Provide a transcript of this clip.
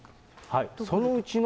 そのうちの。